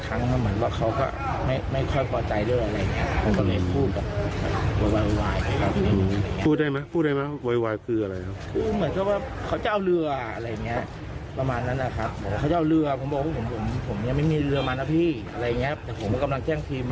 แต่ผมกำลังแจ้งทีมมาแล้วเขาบอกอะไรอย่างนี้มาก็เยอะพี่ไม่มีเครื่อง